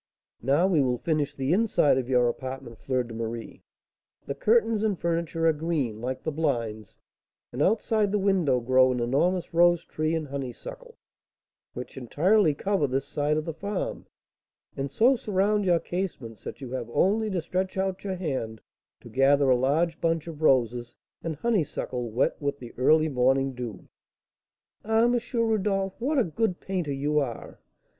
"Now we will finish the inside of your apartment, Fleur de Marie. The curtains and furniture are green, like the blinds; and outside the window grow an enormous rose tree and honeysuckle, which entirely cover this side of the farm, and so surround your casements that you have only to stretch out your hand to gather a large bunch of roses and honeysuckle wet with the early morning dew." "Ah, M. Rodolph, what a good painter you are!"